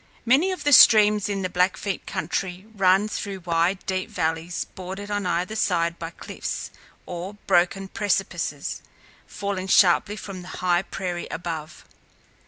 Many of the streams in the Blackfeet country run through wide, deep valleys bordered on either side by cliffs, or broken precipices, falling sharply from the high prairie above.